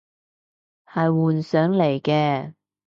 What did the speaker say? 係幻想嚟嘅